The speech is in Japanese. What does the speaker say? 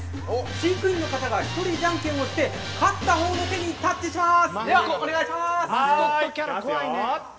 飼育員の方がじゃんけんをして勝った方の手にタッチします。